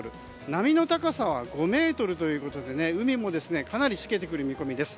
波の高さは５ｍということで海もかなりしけてくる見込みです。